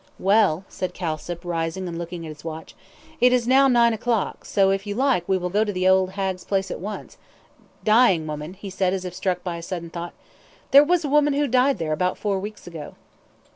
"Well," said Kilsip, rising and looking at his watch, "it is now nine o'clock, so if you like we will go to the old hag's place at once dying woman," he said, as if struck by a sudden thought, "there was a woman who died there about four weeks ago."